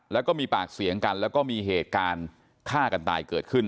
แล้วก็มีปากเสียงกันแล้วก็มีเหตุการณ์ฆ่ากันตายเกิดขึ้น